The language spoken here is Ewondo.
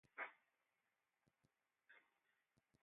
Bə soe a kpəm bətele a ndoan bə nga yanga na e man be.